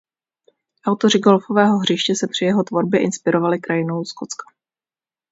Autoři golfového hřiště se při jeho tvorbě inspirovali krajinou Skotska.